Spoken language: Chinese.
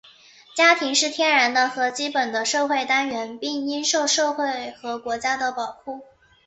家庭是天然的和基本的社会单元,并应受社会和国家的保护。